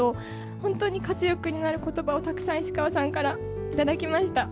本当に活力になることばを、たくさん石川さんから頂きました。